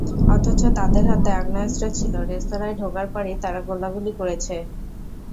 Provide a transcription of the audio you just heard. অথচ তাদের হাতে আগ্নেয়াস্ত্র ছিল, রেস্তোরাঁয় ঢোকার পরই তারা গোলাগুলি করেছে।